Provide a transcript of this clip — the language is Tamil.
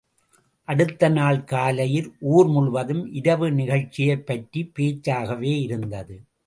அடுத்த நாள் காலையில் ஊர் முழுவதும் இரவு நிகழ்ச்சியைப் பற்றிய பேச்சாகவேயிருந்தது.